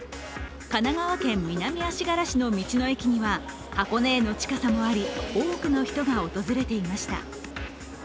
神奈川県南足柄市の道の駅には箱根への近さもあり、多くの人が訪れていました。